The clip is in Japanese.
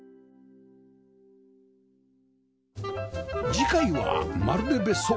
次回はまるで別荘！